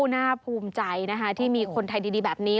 น่าภูมิใจนะคะที่มีคนไทยดีแบบนี้